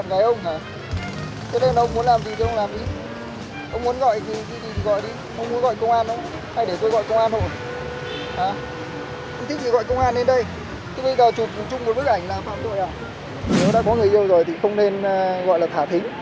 nếu đã có người yêu rồi thì không nên gọi là thả thính